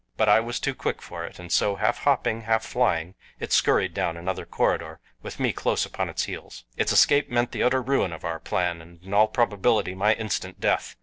But I was too quick for it, and so, half hopping, half flying, it scurried down another corridor with me close upon its heels. Its escape meant the utter ruin of our plan, and in all probability my instant death.